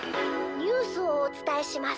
「ニュースをおつたえします。